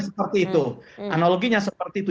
seperti itu analoginya seperti itu